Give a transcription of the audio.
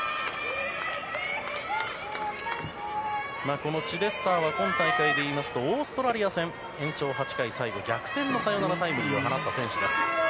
このチデスターは今大会でいいますとオーストラリア戦延長８回で最後に逆転のサヨナラタイムリーを放った選手です。